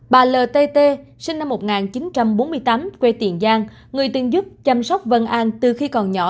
bà l t t sinh năm một nghìn chín trăm bốn mươi tám quê tiền giang người từng giúp chăm sóc vân an từ khi còn nhỏ